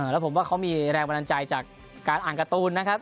แล้วผมว่าเขามีแรงบันดาลใจจากการอ่านการ์ตูนนะครับ